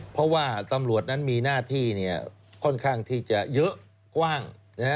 เพราะว่าตำรวจนั้นมีหน้าที่ค่อนข้างที่จะเยอะกว้าง